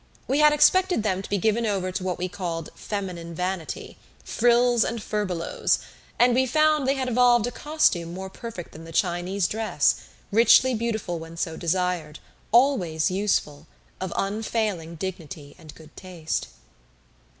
We had expected them to be given over to what we called "feminine vanity" "frills and furbelows," and we found they had evolved a costume more perfect than the Chinese dress, richly beautiful when so desired, always useful, of unfailing dignity and good taste.